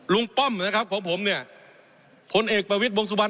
ป้อมนะครับของผมเนี่ยผลเอกประวิทย์วงสุวรร